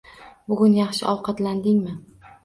Bugun yaxshi ovqatlandingmi?